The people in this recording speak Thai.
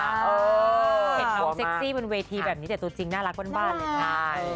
เห็นน้องเซ็กซี่บนเวทีแบบนี้แต่ตัวจริงน่ารักบ้านเลยค่ะ